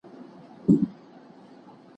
چپنه پاکه کړه!!